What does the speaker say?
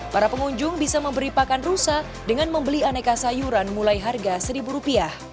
para pengunjung bisa memberi pakan rusa dengan membeli aneka sayuran mulai harga rp satu